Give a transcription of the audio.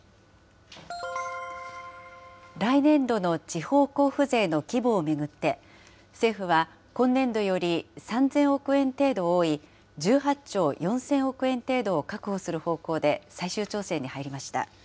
来年度の地方交付税の規模を巡って、政府は今年度より３０００億円程度多い、１８兆４０００億円程度を確保する方向で最終調整に入りました。